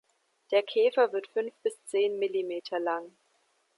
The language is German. Der Käfer wird fünf bis zehn Millimeter lang.